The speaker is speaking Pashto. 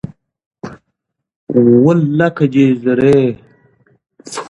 ماشینونه په فابریکو کې کار کوي.